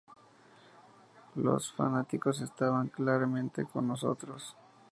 Los fanáticos estaban claramente con nosotros.